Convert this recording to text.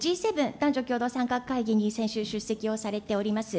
Ｇ７、男女共同参画会議に先週、出席をされております。